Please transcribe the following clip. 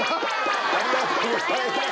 ありがとうございます。